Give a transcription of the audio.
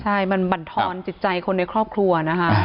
ใช่มันบรรทอนจิตใจคนในครอบครัวนะคะ